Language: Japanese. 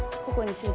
数字？